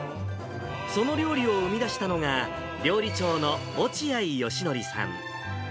その料理を生み出したのが、料理長の落合吉紀さん。